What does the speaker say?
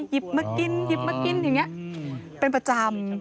หยิบมากินหยิบมากินอย่างนี้เป็นประจำ